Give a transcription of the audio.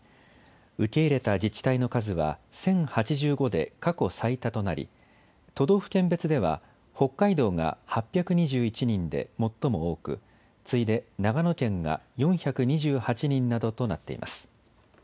受け入れた自治体の数は１０８５で過去最多となり都道府県別では北海道が８２１人で最も多く次いで長野県が４２８人などとなっています。